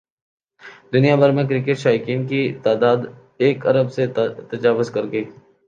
دنیا بھر میں کرکٹ شائقین کی تعداد ایک ارب سے تجاوز کر گئی